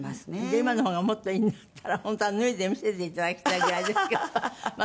今の方がもっといいんだったら本当は脱いで見せていただきたいぐらいですけどまあ